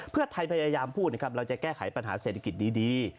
เราจะแก้ไขปัญหาเศรษฐกิจดี